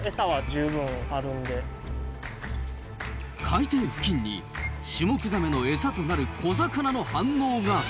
海底付近にシュモクザメのエサとなる小魚の反応が！